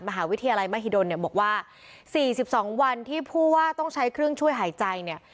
มหาวิทยาลัยมหิดลเนี่ยบอกว่า๔๒วันที่ผู้ว่าต้องใช้เครื่องช่วยหายใจเนี่ย